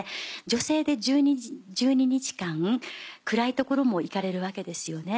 女性で１２日間暗い所も行かれるわけですよね。